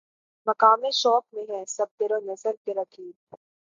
مقام شوق میں ہیں سب دل و نظر کے رقیب